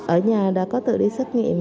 ở nhà đã có tự đi xét nghiệm